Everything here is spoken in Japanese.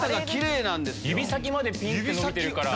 指先までピンって伸びてるから。